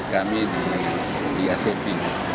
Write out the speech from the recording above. kami di acp